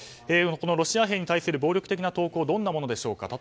このロシア兵に対する暴力的な投稿どんなものでしょうか。